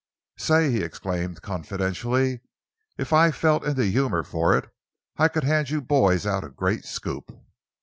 "Say," he exclaimed confidentially, "if I felt in the humour for it I could hand you boys out a great scoop."